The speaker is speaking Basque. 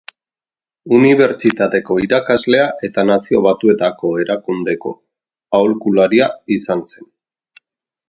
Unibertsitateko irakaslea eta Nazio Batuetako Erakundeko aholkularia izan zen.